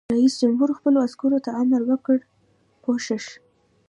رئیس جمهور خپلو عسکرو ته امر وکړ؛ پوښښ!